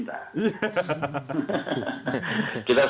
kita sedang mengurus negara jadi apapun